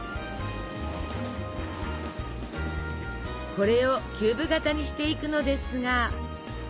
これをキューブ型にしていくのですが。